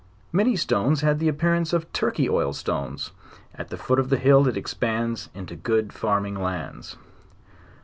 Many stones had the appearance of Turkey oil stones: at the foot of the hill it expands into good farming lands.